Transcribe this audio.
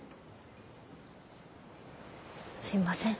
すいません。